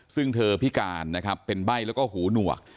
ซึ่งเธอพิการนะครับเป็นใบ้แล้วก็หูหนวก